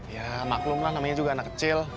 ya maklumlah namanya juga anak kecil